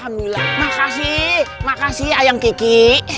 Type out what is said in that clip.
makasih makasih ayang kiki